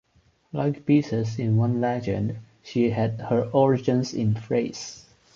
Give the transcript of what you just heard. Like Byzas in one legend, she had her origins in Thrace.